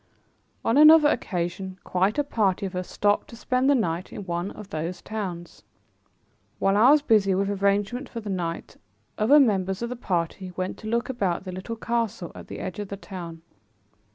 On another occasion, quite a party of us stopped to spend the night in one of these towns. While I was busy with arrangements for the night other members of the party went to look about the little castle at the edge of the town.